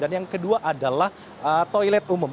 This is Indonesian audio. dan yang kedua adalah toilet umum